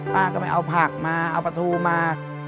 ป้าก็ไปเอาผักมาเอาปลาทูมา